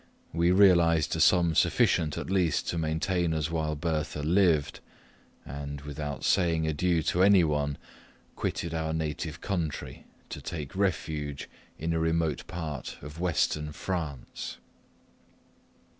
We realised a sum sufficient, at least, to maintain us while Bertha lived; and, without saying adieu to any one, quitted our native country to take refuge in a remote part of western France.